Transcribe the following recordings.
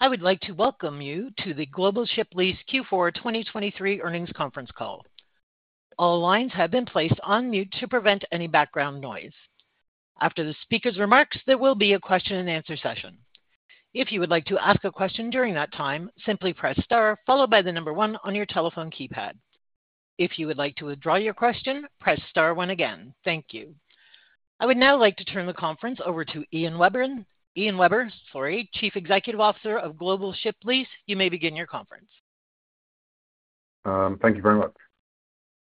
I would like to welcome you to the Global Ship Lease Q4 2023 Earnings Conference Call. All lines have been placed on mute to prevent any background noise. After the speaker's remarks, there will be a question-and-answer session. If you would like to ask a question during that time, simply press star followed by the number 1 on your telephone keypad. If you would like to withdraw your question, press star again. Thank you. I would now like to turn the conference over to Ian Webber. Ian Webber, sorry, Chief Executive Officer of Global Ship Lease, you may begin your conference. Thank you very much.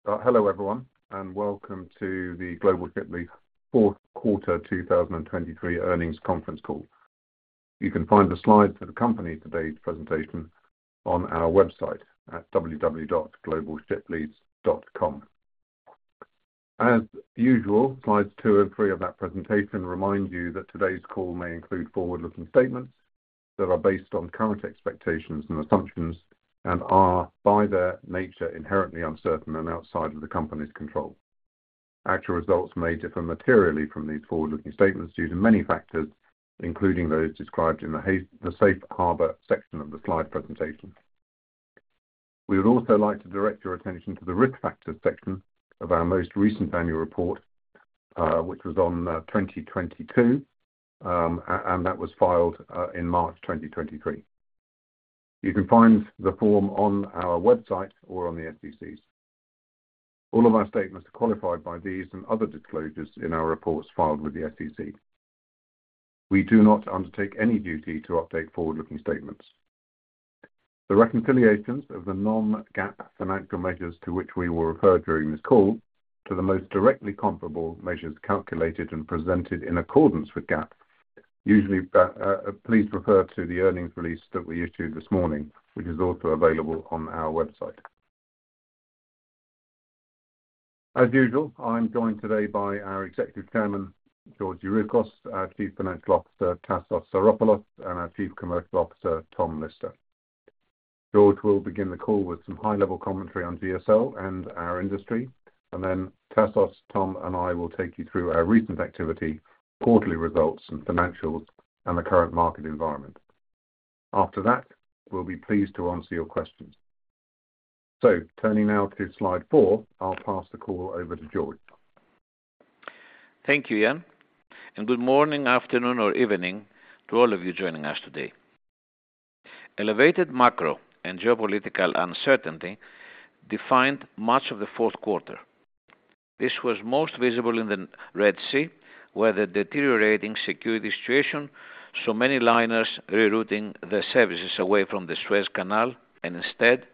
Hello everyone, and welcome to the Global Ship Lease Fourth Quarter 2023 earnings conference call. You can find the slides for the company's today's presentation on our website at www.globalshiplease.com. As usual, slides two and three of that presentation remind you that today's call may include forward-looking statements that are based on current expectations and assumptions and are, by their nature, inherently uncertain and outside of the company's control. Actual results may differ materially from these forward-looking statements due to many factors, including those described in the safe harbor section of the slide presentation. We would also like to direct your attention to the risk factors section of our most recent annual report, which was on 2022 and that was filed in March 2023. You can find the form on our website or on the SEC's. All of our statements are qualified by these and other disclosures in our reports filed with the SEC. We do not undertake any duty to update forward-looking statements. The reconciliations of the non-GAAP financial measures to which we will refer during this call to the most directly comparable measures calculated and presented in accordance with GAAP. Usually please refer to the earnings release that we issued this morning, which is also available on our website. As usual, I'm joined today by our Executive Chairman, George Youroukos, our Chief Financial Officer, Tassos Psaropoulos, and our Chief Commercial Officer, Tom Lister. George will begin the call with some high-level commentary on GSL and our industry, and then Tassos, Tom, and I will take you through our recent activity, quarterly results and financials, and the current market environment. After that, we'll be pleased to answer your questions. Turning now to slide four, I'll pass the call over to George. Thank you, Ian. Good morning, afternoon, or evening to all of you joining us today. Elevated macro and geopolitical uncertainty defined much of the fourth quarter. This was most visible in the Red Sea, where the deteriorating security situation saw many liners rerouting their services away from the Suez Canal and instead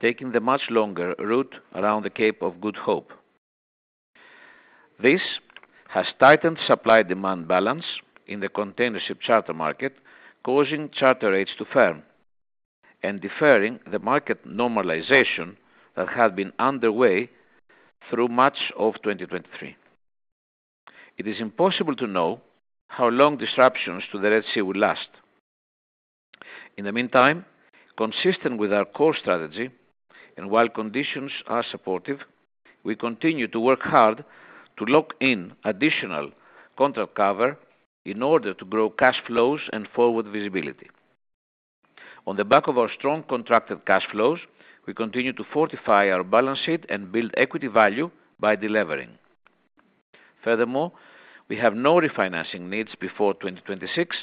taking the much longer route around the Cape of Good Hope. This has tightened supply-demand balance in the container ship charter market, causing charter rates to firm and deferring the market normalization that had been underway through much of 2023. It is impossible to know how long disruptions to the Red Sea will last. In the meantime, consistent with our core strategy, and while conditions are supportive, we continue to work hard to lock in additional contract cover in order to grow cash flows and forward visibility. On the back of our strong contracted cash flows, we continue to fortify our balance sheet and build equity value by delevering. Furthermore, we have no refinancing needs before 2026,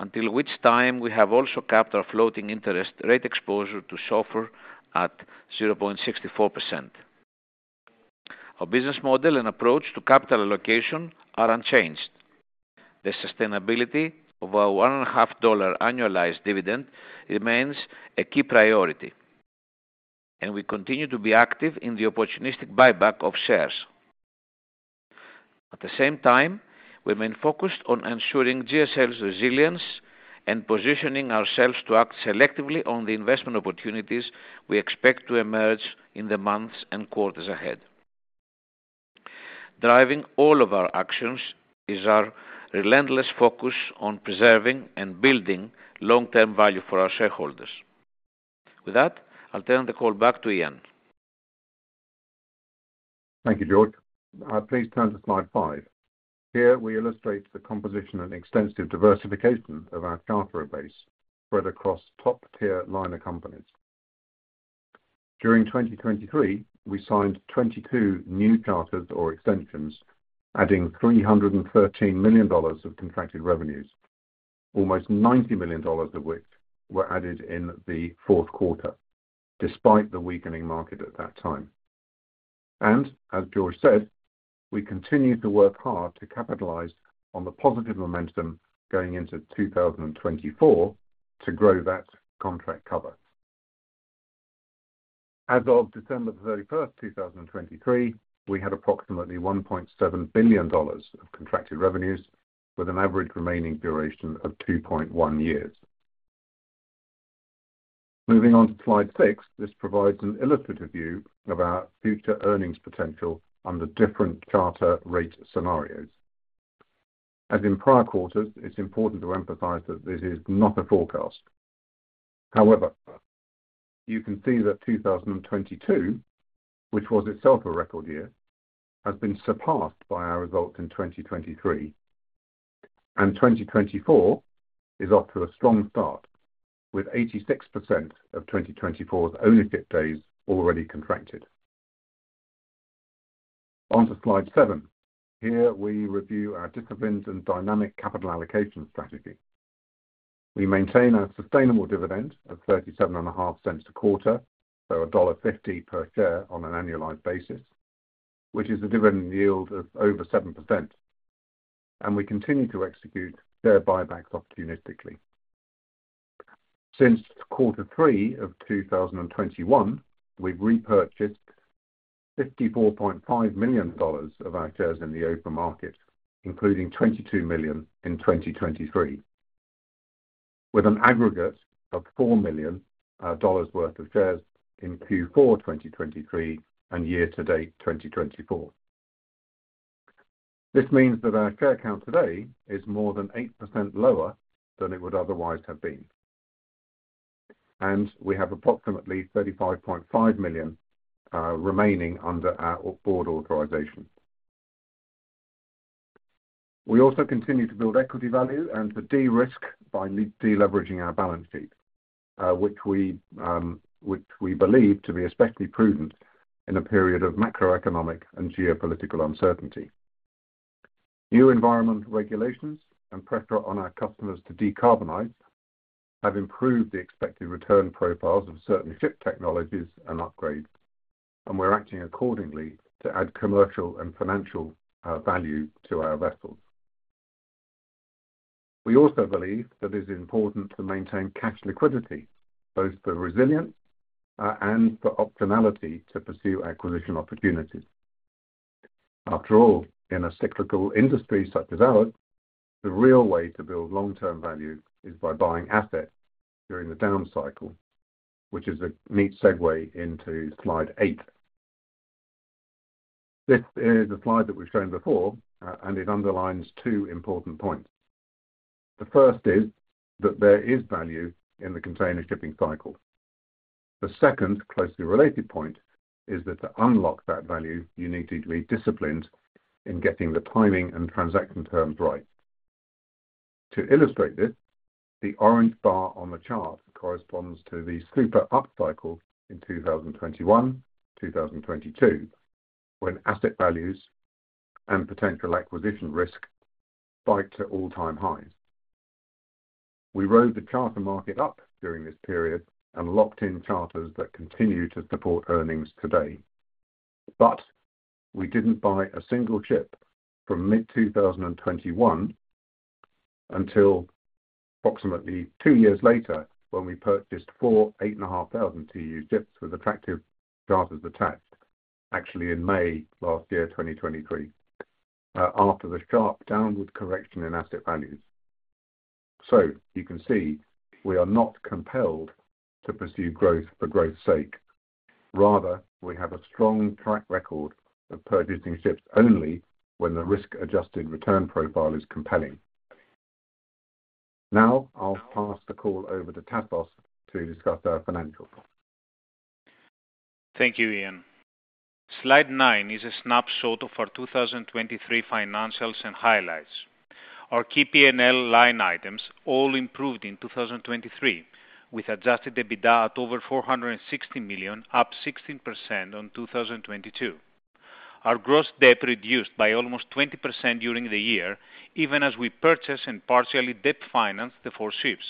until which time we have also kept our floating interest rate exposure to just 0.64%. Our business model and approach to capital allocation are unchanged. The sustainability of our $1.5 annualized dividend remains a key priority, and we continue to be active in the opportunistic buyback of shares. At the same time, we remain focused on ensuring GSL's resilience and positioning ourselves to act selectively on the investment opportunities we expect to emerge in the months and quarters ahead. Driving all of our actions is our relentless focus on preserving and building long-term value for our shareholders. With that, I'll turn the call back to Ian. Thank you, George. Please turn to slide five. Here we illustrate the composition and extensive diversification of our charterer base spread across top-tier liner companies. During 2023, we signed 22 new charters or extensions, adding $313 million of contracted revenues, almost $90 million of which were added in the fourth quarter, despite the weakening market at that time. As George said, we continue to work hard to capitalize on the positive momentum going into 2024 to grow that contract cover. As of December 31st, 2023, we had approximately $1.7 billion of contracted revenues, with an average remaining duration of 2.1 years. Moving on to slide six, this provides an illustrative view of our future earnings potential under different charter rate scenarios. As in prior quarters, it's important to emphasize that this is not a forecast. However, you can see that 2022, which was itself a record year, has been surpassed by our results in 2023, and 2024 is off to a strong start, with 86% of 2024's ownership days already contracted. Onto slide seven. Here we review our disciplined and dynamic capital allocation strategy. We maintain our sustainable dividend of $0.375 a quarter, so $1.50 per share on an annualized basis, which is a dividend yield of over 7%, and we continue to execute share buybacks opportunistically. Since quarter three of 2021, we've repurchased $54.5 million of our shares in the open market, including $22 million in 2023, with an aggregate of $4 million worth of shares in Q4 2023 and year-to-date 2024. This means that our share count today is more than 8% lower than it would otherwise have been, and we have approximately $35.5 million remaining under our Board authorization. We also continue to build equity value and to de-risk by deleveraging our balance sheet, which we believe to be especially prudent in a period of macroeconomic and geopolitical uncertainty. New environmental regulations and pressure on our customers to decarbonize have improved the expected return profiles of certain ship technologies and upgrades, and we're acting accordingly to add commercial and financial value to our vessels. We also believe that it's important to maintain cash liquidity, both for resilience and for optionality to pursue acquisition opportunities. After all, in a cyclical industry such as ours, the real way to build long-term value is by buying assets during the down cycle, which is a neat segue into slide eight. This is a slide that we've shown before, and it underlines two important points. The first is that there is value in the container shipping cycle. The second, closely related point, is that to unlock that value, you need to be disciplined in getting the timing and transaction terms right. To illustrate this, the orange bar on the chart corresponds to the super up cycle in 2021-2022, when asset values and potential acquisition risk spiked to all-time highs. We rode the charter market up during this period and locked in charters that continue to support earnings today. But we didn't buy a single ship from mid-2021 until approximately two years later, when we purchased 4,850 TEU ships with attractive charters attached, actually in May last year, 2023, after the sharp downward correction in asset values. So you can see we are not compelled to pursue growth for growth's sake. Rather, we have a strong track record of purchasing ships only when the risk-adjusted return profile is compelling. Now I'll pass the call over to Tassos to discuss our financials. Thank you, Ian. Slide nine is a snapshot of our 2023 financials and highlights. Our key P&L line items all improved in 2023, with adjusted EBITDA at over $460 million, up 16% on 2022. Our gross debt reduced by almost 20% during the year, even as we purchased and partially debt-financed the four ships.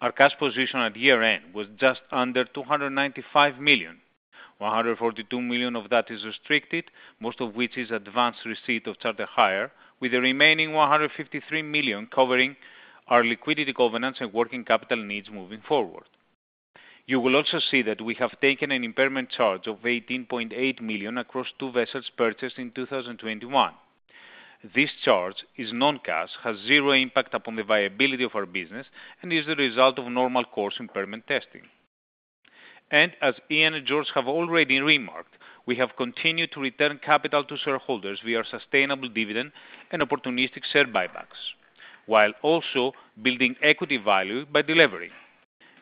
Our cash position at year-end was just under $295 million. $142 million of that is restricted, most of which is advanced receipt of charter hire, with the remaining $153 million covering our liquidity covenants and working capital needs moving forward. You will also see that we have taken an impairment charge of $18.8 million across two vessels purchased in 2021. This charge is non-cash, has zero impact upon the viability of our business, and is the result of normal course impairment testing. As Ian and George have already remarked, we have continued to return capital to shareholders via sustainable dividend and opportunistic share buybacks, while also building equity value by delevering.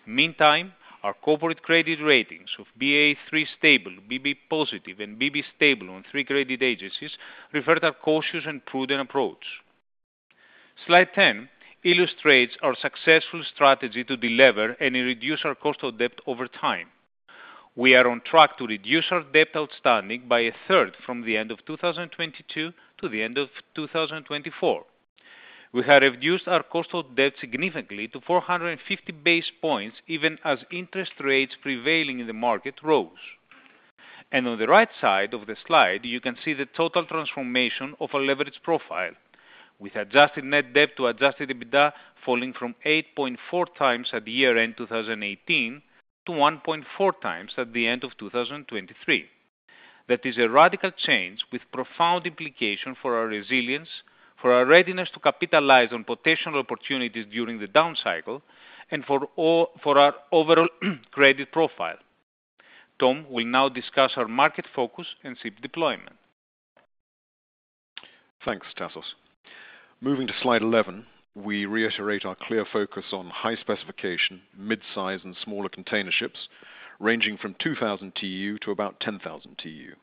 Meantime, our corporate credit ratings of BA3 stable, BB positive, and BB stable on three credit agencies reflect our cautious and prudent approach. Slide 10 illustrates our successful strategy to delever and reduce our cost of debt over time. We are on track to reduce our debt outstanding by a 1/3 from the end of 2022 to the end of 2024. We have reduced our cost of debt significantly to 450 basis points, even as interest rates prevailing in the market rose. On the right side of the slide, you can see the total transformation of our leverage profile, with adjusted net debt to adjusted EBITDA falling from 8.4x at year-end 2018 to 1.4x at the end of 2023. That is a radical change with profound implication for our resilience, for our readiness to capitalize on potential opportunities during the down cycle, and for our overall credit profile. Tom will now discuss our market focus and ship deployment. Thanks, Tassos. Moving to slide 11, we reiterate our clear focus on high specification, mid-size, and smaller container ships, ranging from 2,000 TEU to about 10,000 TEU.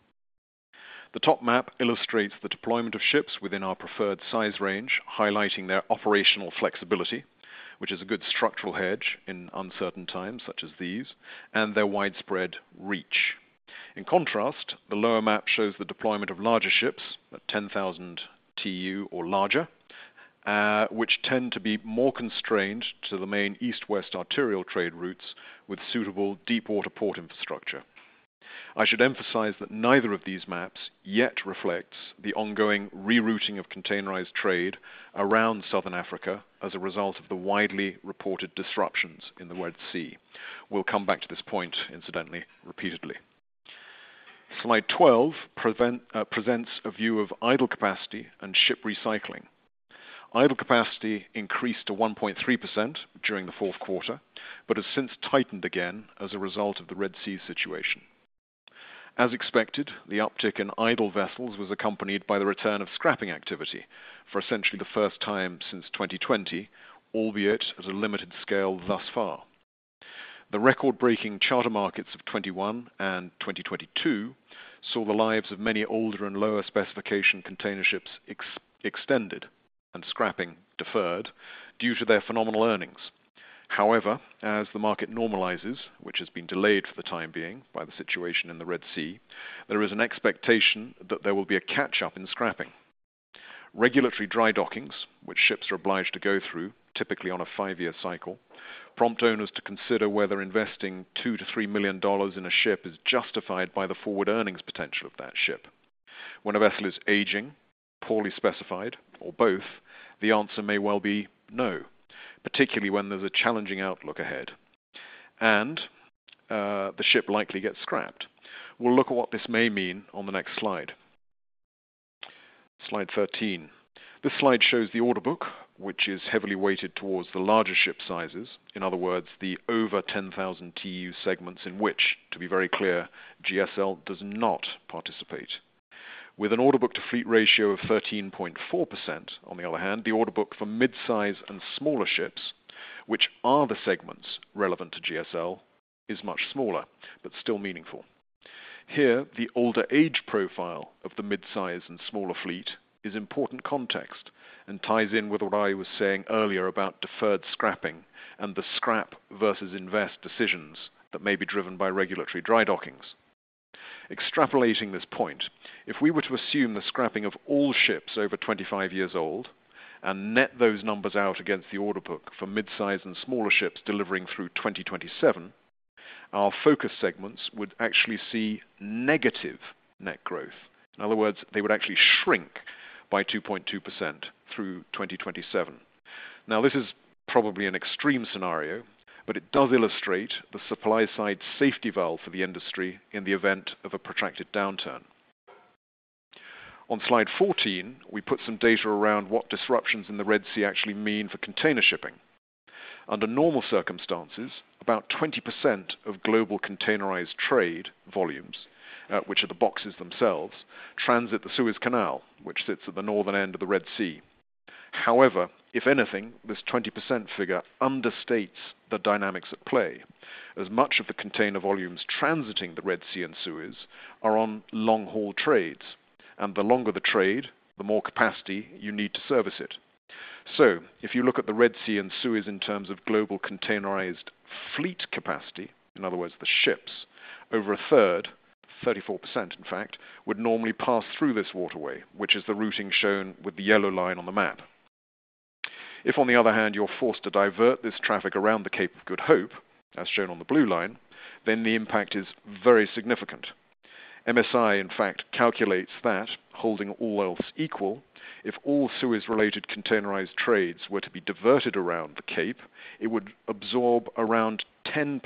The top map illustrates the deployment of ships within our preferred size range, highlighting their operational flexibility, which is a good structural hedge in uncertain times such as these, and their widespread reach. In contrast, the lower map shows the deployment of larger ships at 10,000 TEU or larger, which tend to be more constrained to the main east-west arterial trade routes with suitable deep-water port infrastructure. I should emphasize that neither of these maps yet reflects the ongoing rerouting of containerized trade around Southern Africa as a result of the widely reported disruptions in the Red Sea. We'll come back to this point, incidentally, repeatedly. Slide 12 presents a view of idle capacity and ship recycling. Idle capacity increased to 1.3% during the fourth quarter, but has since tightened again as a result of the Red Sea situation. As expected, the uptick in idle vessels was accompanied by the return of scrapping activity for essentially the first time since 2020, albeit at a limited scale thus far. The record-breaking charter markets of 2021 and 2022 saw the lives of many older and lower specification container ships extended and scrapping deferred due to their phenomenal earnings. However, as the market normalizes, which has been delayed for the time being by the situation in the Red Sea, there is an expectation that there will be a catch-up in scrapping. Regulatory dry dockings, which ships are obliged to go through, typically on a five-year cycle, prompt owners to consider whether investing $2 million-$3 million in a ship is justified by the forward earnings potential of that ship. When a vessel is aging, poorly specified, or both, the answer may well be no, particularly when there's a challenging outlook ahead. The ship likely gets scrapped. We'll look at what this may mean on the next slide. Slide 13. This slide shows the order book, which is heavily weighted towards the larger ship sizes, in other words, the over 10,000 TEU segments in which, to be very clear, GSL does not participate. With an order book to fleet ratio of 13.4%, on the other hand, the order book for mid-size and smaller ships, which are the segments relevant to GSL, is much smaller but still meaningful. Here, the older age profile of the mid-size and smaller fleet is important context and ties in with what I was saying earlier about deferred scrapping and the scrap versus invest decisions that may be driven by regulatory dry dockings. Extrapolating this point, if we were to assume the scrapping of all ships over 25 years old and net those numbers out against the order book for mid-size and smaller ships delivering through 2027, our focus segments would actually see negative net growth. In other words, they would actually shrink by 2.2% through 2027. Now, this is probably an extreme scenario, but it does illustrate the supply-side safety valve for the industry in the event of a protracted downturn. On slide 14, we put some data around what disruptions in the Red Sea actually mean for container shipping. Under normal circumstances, about 20% of global containerized trade volumes, which are the boxes themselves, transit the Suez Canal, which sits at the northern end of the Red Sea. However, if anything, this 20% figure understates the dynamics at play, as much of the container volumes transiting the Red Sea and Suez are on long-haul trades, and the longer the trade, the more capacity you need to service it. So if you look at the Red Sea and Suez in terms of global containerized fleet capacity, in other words, the ships, over a 1/3, 34% in fact, would normally pass through this waterway, which is the routing shown with the yellow line on the map. If, on the other hand, you're forced to divert this traffic around the Cape of Good Hope, as shown on the blue line, then the impact is very significant. MSI, in fact, calculates that, holding all else equal, if all Suez-related containerized trades were to be diverted around the Cape, it would absorb around 10%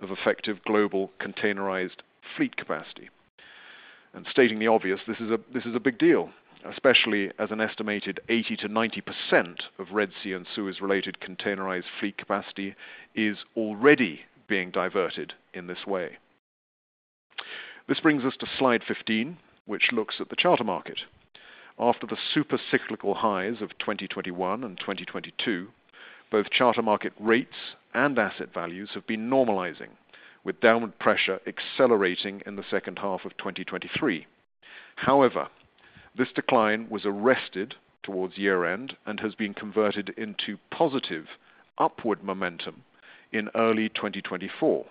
of effective global containerized fleet capacity. Stating the obvious, this is a big deal, especially as an estimated 80%-90% of Red Sea and Suez-related containerized fleet capacity is already being diverted in this way. This brings us to slide 15, which looks at the charter market. After the super cyclical highs of 2021 and 2022, both charter market rates and asset values have been normalizing, with downward pressure accelerating in the second half of 2023. However, this decline was arrested towards year-end and has been converted into positive upward momentum in early 2024.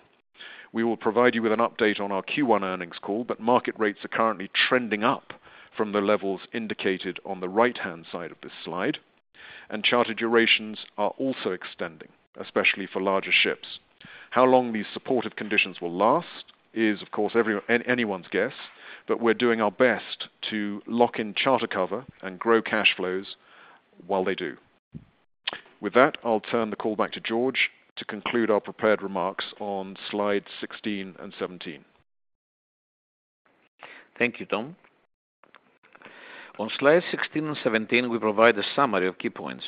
We will provide you with an update on our Q1 earnings call, but market rates are currently trending up from the levels indicated on the right-hand side of this slide, and charter durations are also extending, especially for larger ships. How long these supportive conditions will last is, of course, anyone's guess, but we're doing our best to lock in charter cover and grow cash flows while they do. With that, I'll turn the call back to George to conclude our prepared remarks on slides 16 and 17. Thank you, Tom. On slides 16 and 17, we provide a summary of key points.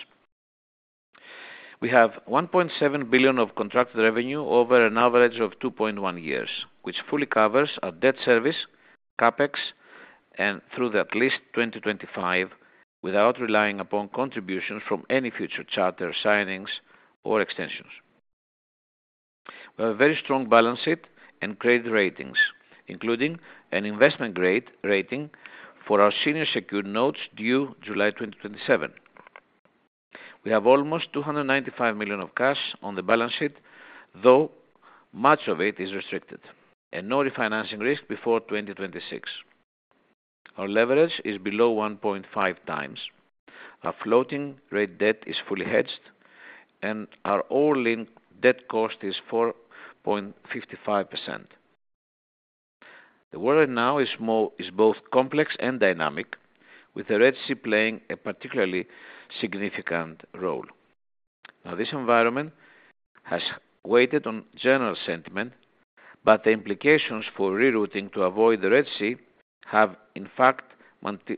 We have $1.7 billion of contracted revenue over an average of 2.1 years, which fully covers our debt service, CapEx, and through at least 2025 without relying upon contributions from any future charter signings or extensions. We have a very strong balance sheet and credit ratings, including an investment grade rating for our senior secured notes due July 2027. We have almost $295 million of cash on the balance sheet, though much of it is restricted and no refinancing risk before 2026. Our leverage is below 1.5x. Our floating rate debt is fully hedged, and our all-in debt cost is 4.55%. The world right now is both complex and dynamic, with the Red Sea playing a particularly significant role. Now, this environment has weighed on general sentiment, but the implications for rerouting to avoid the Red Sea have, in fact,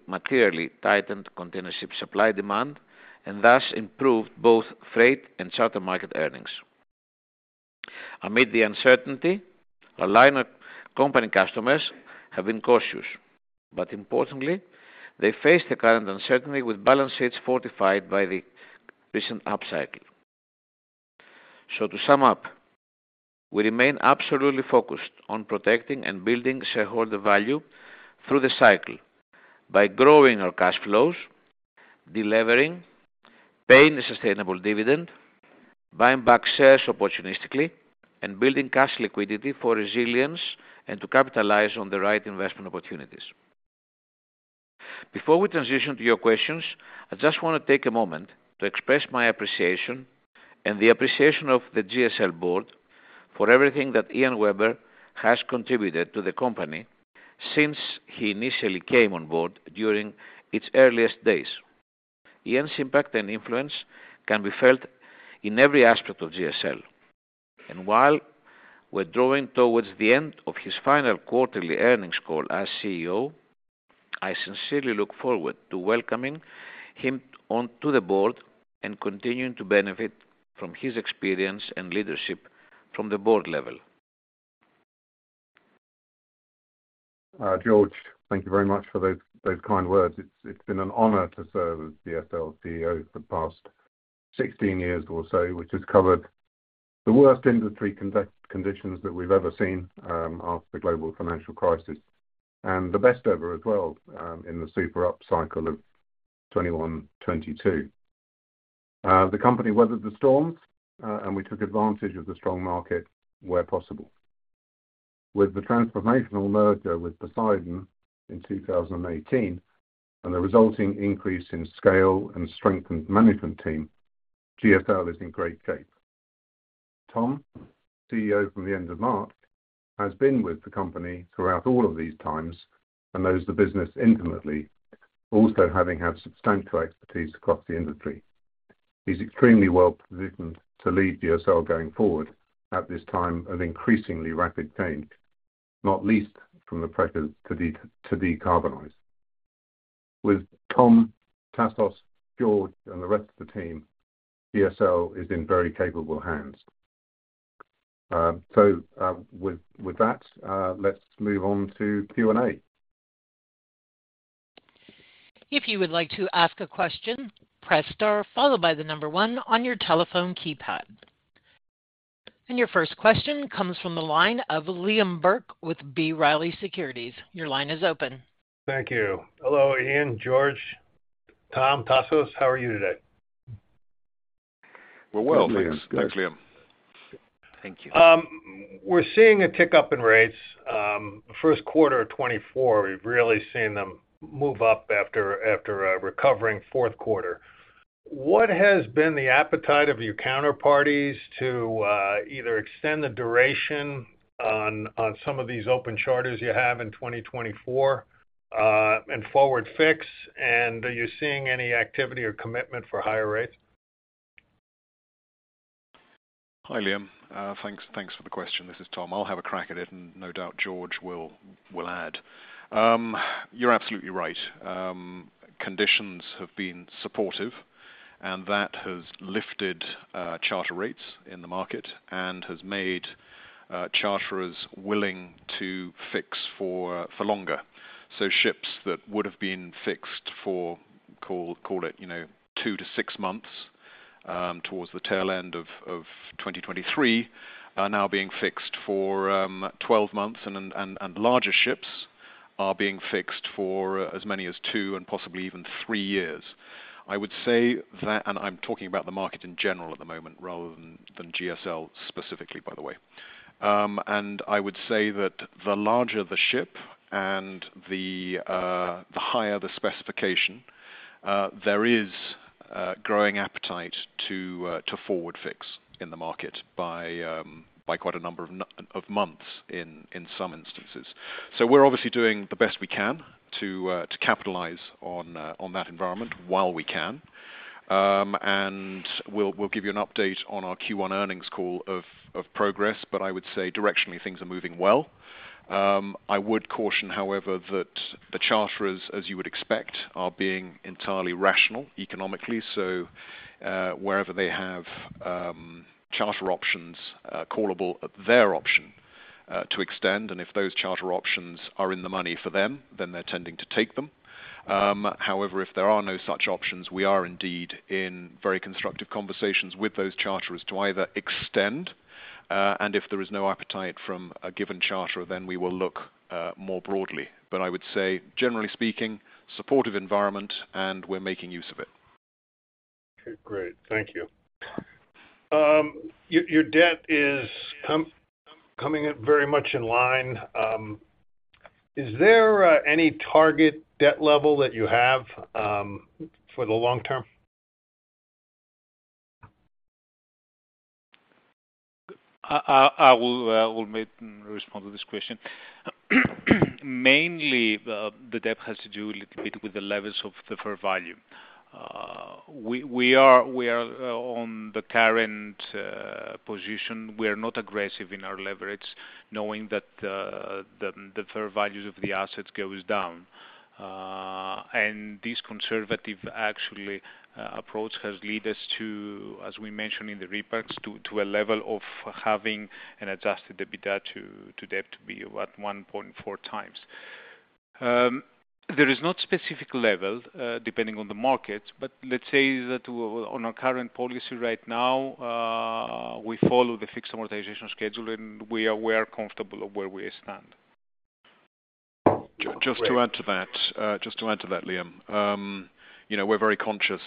materially tightened container ship supply-demand and thus improved both freight and charter market earnings. Amid the uncertainty, our liner company customers have been cautious, but importantly, they face the current uncertainty with balance sheets fortified by the recent upcycle. So to sum up, we remain absolutely focused on protecting and building shareholder value through the cycle by growing our cash flows, delivering, paying a sustainable dividend, buying back shares opportunistically, and building cash liquidity for resilience and to capitalize on the right investment opportunities. Before we transition to your questions, I just want to take a moment to express my appreciation and the appreciation of the GSL Board for everything that Ian Webber has contributed to the company since he initially came on Board during its earliest days. Ian's impact and influence can be felt in every aspect of GSL. While we're drawing towards the end of his final quarterly earnings call as CEO, I sincerely look forward to welcoming him onto the Board and continuing to benefit from his experience and leadership from the Board level. George, thank you very much for those kind words. It's been an honor to serve as GSL CEO for the past 16 years or so, which has covered the worst industry conditions that we've ever seen after the global financial crisis and the best ever as well in the super upcycle of 2021-2022. The company weathered the storms, and we took advantage of the strong market where possible. With the transformational merger with Poseidon in 2018 and the resulting increase in scale and strengthened management team, GSL is in great shape. Tom, CEO from the end of March, has been with the company throughout all of these times and knows the business intimately, also having had substantial expertise across the industry. He's extremely well-positioned to lead GSL going forward at this time of increasingly rapid change, not least from the pressure to decarbonize. With Tom, Tassos, George, and the rest of the team, GSL is in very capable hands. So with that, let's move on to Q&A. If you would like to ask a question, press star followed by the number one on your telephone keypad. Your first question comes from the line of Liam Burke with B. Riley Securities. Your line is open. Thank you. Hello, Ian, George, Tom, Tassos. How are you today? Thank you. We're seeing a tick up in rates. The first quarter of 2024, we've really seen them move up after recovering fourth quarter. What has been the appetite of your counterparties to either extend the duration on some of these open charters you have in 2024 and forward fix, and are you seeing any activity or commitment for higher rates? Hi, Liam. Thanks for the question. This is Tom. I'll have a crack at it, and no doubt George will add. You're absolutely right. Conditions have been supportive, and that has lifted charter rates in the market and has made charterers willing to fix for longer. So ships that would have been fixed for, call it, 2-6 months towards the tail end of 2023 are now being fixed for 12 months, and larger ships are being fixed for as many as two and possibly even 3 years. I would say that, and I'm talking about the market in general at the moment rather than GSL specifically, by the way. I would say that the larger the ship and the higher the specification, there is growing appetite to forward fix in the market by quite a number of months in some instances. So we're obviously doing the best we can to capitalize on that environment while we can. And we'll give you an update on our Q1 earnings call of progress, but I would say directionally, things are moving well. I would caution, however, that the charterers, as you would expect, are being entirely rational economically. So wherever they have charter options callable at their option to extend, and if those charter options are in the money for them, then they're tending to take them. However, if there are no such options, we are indeed in very constructive conversations with those charterers to either extend, and if there is no appetite from a given charter, then we will look more broadly. But I would say, generally speaking, supportive environment, and we're making use of it. Okay. Great. Thank you. Your debt is coming very much in line. Is there any target debt level that you have for the long term? I will respond to this question. Mainly, the debt has to do a little bit with the levels of the fair value. We are on the current position. We are not aggressive in our leverages, knowing that the fair values of the assets go down. And this conservative, actually, approach has led us to, as we mentioned in the remarks, to a level of having an adjusted debt to be about 1.4x. There is not a specific level depending on the markets, but let's say that on our current policy right now, we follow the fixed amortization schedule, and we are comfortable of where we stand. Just to add to that, Liam, we're very conscious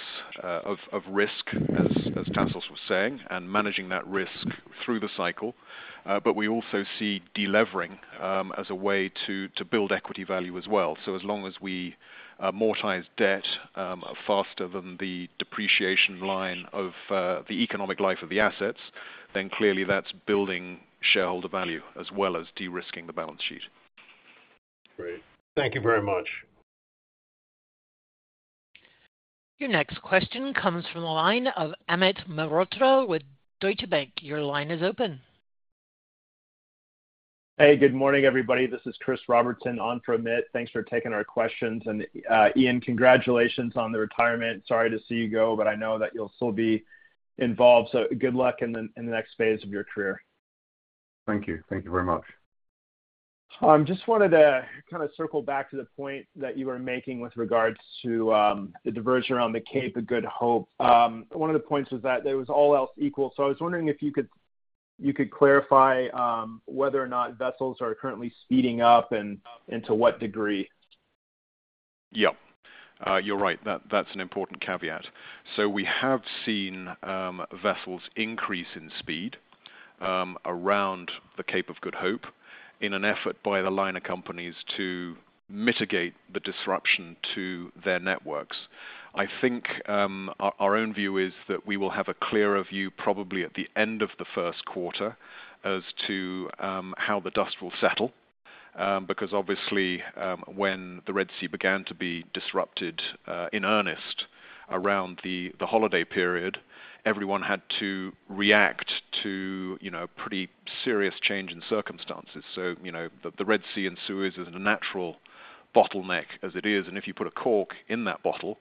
of risk, as Tassos was saying, and managing that risk through the cycle. But we also see delevering as a way to build equity value as well. So as long as we amortize debt faster than the depreciation line of the economic life of the assets, then clearly, that's building shareholder value as well as de-risking the balance sheet. Great. Thank you very much. Your next question comes from the line of Amit Mehrotra with Deutsche Bank. Your line is open. Hey, good morning, everybody. This is Chris Robertson on for Amit. Thanks for taking our questions. Ian, congratulations on the retirement. Sorry to see you go, but I know that you'll still be involved. Good luck in the next phase of your career. Thank you. Thank you very much. I just wanted to kind of circle back to the point that you were making with regards to the diversion around the Cape of Good Hope. One of the points was that it was all else equal. So I was wondering if you could clarify whether or not vessels are currently speeding up and to what degree? Yeah. You're right. That's an important caveat. So we have seen vessels increase in speed around the Cape of Good Hope in an effort by the liner companies to mitigate the disruption to their networks. I think our own view is that we will have a clearer view probably at the end of the first quarter as to how the dust will settle because, obviously, when the Red Sea began to be disrupted in earnest around the holiday period, everyone had to react to a pretty serious change in circumstances. So the Red Sea and Suez is a natural bottleneck as it is. And if you put a cork in that bottle,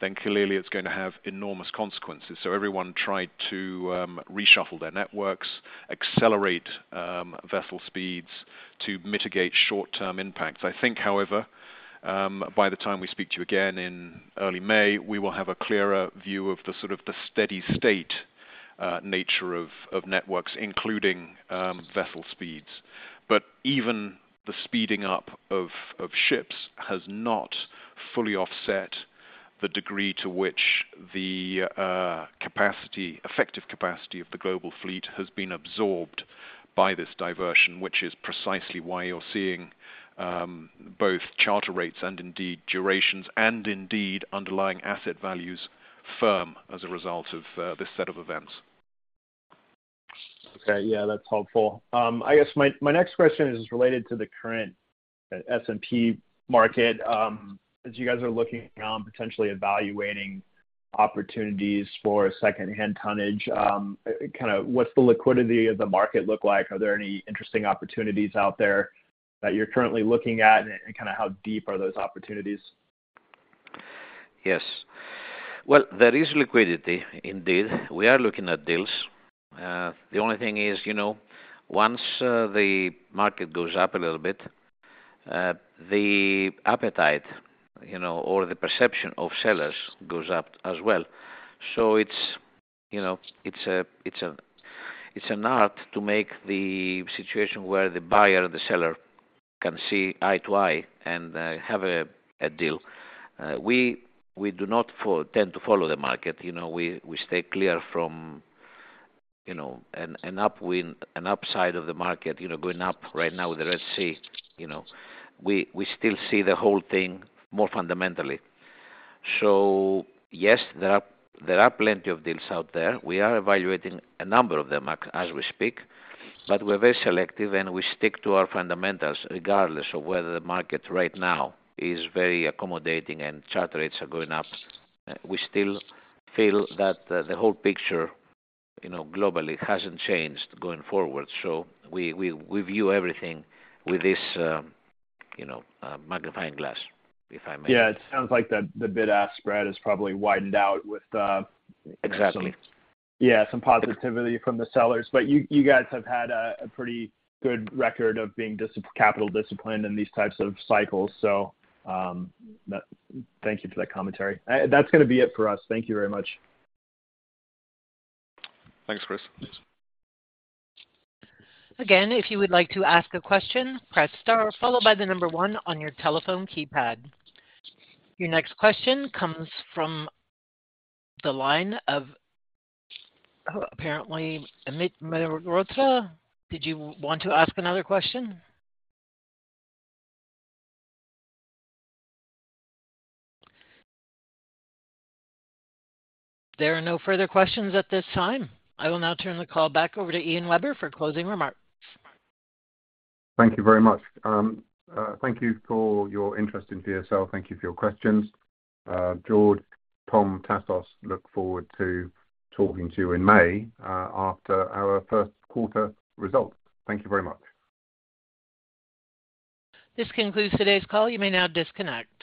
then clearly, it's going to have enormous consequences. So everyone tried to reshuffle their networks, accelerate vessel speeds to mitigate short-term impacts. I think, however, by the time we speak to you again in early May, we will have a clearer view of sort of the steady state nature of networks, including vessel speeds. But even the speeding up of ships has not fully offset the degree to which the effective capacity of the global fleet has been absorbed by this diversion, which is precisely why you're seeing both charter rates and indeed durations and indeed underlying asset values firm as a result of this set of events. Okay. Yeah. That's helpful. I guess my next question is related to the current S&P market. As you guys are looking on, potentially evaluating opportunities for secondhand tonnage, kind of what's the liquidity of the market look like? Are there any interesting opportunities out there that you're currently looking at, and kind of how deep are those opportunities? Yes. Well, there is liquidity, indeed. We are looking at deals. The only thing is, once the market goes up a little bit, the appetite or the perception of sellers goes up as well. So it's an art to make the situation where the buyer and the seller can see eye to eye and have a deal. We do not tend to follow the market. We stay clear from an upside of the market going up right now with the Red Sea. We still see the whole thing more fundamentally. So yes, there are plenty of deals out there. We are evaluating a number of them as we speak, but we're very selective, and we stick to our fundamentals regardless of whether the market right now is very accommodating and charter rates are going up. We still feel that the whole picture globally hasn't changed going forward. We view everything with this magnifying glass, if I may. Yeah. It sounds like the bid-ask spread has probably widened out with. Exactly. Yeah, some positivity from the sellers. But you guys have had a pretty good record of being capital disciplined in these types of cycles. So thank you for that commentary. That's going to be it for us. Thank you very much. Thanks, Chris. Again, if you would like to ask a question, press star followed by the number one on your telephone keypad. Your next question comes from the line of apparently Amit Mehrotra. Did you want to ask another question? There are no further questions at this time. I will now turn the call back over to Ian Webber for closing remarks. Thank you very much. Thank you for your interest in GSL. Thank you for your questions. George, Tom, Tassos, look forward to talking to you in May after our first quarter results. Thank you very much. This concludes today's call. You may now disconnect.